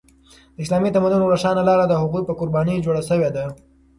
د اسلامي تمدن روښانه لاره د هغوی په قربانیو جوړه شوې ده.